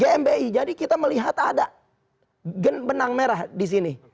gmi jadi kita melihat ada benang merah disini